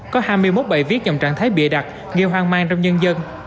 có hai mươi một bài viết dòng trạng thái bịa đặt gây hoang mang trong nhân dân